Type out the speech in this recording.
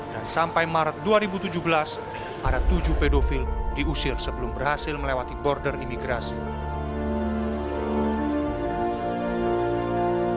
dan sampai maret dua ribu tujuh belas ada tujuh pedofil diusir sebelum berhasil melewati border imigrasi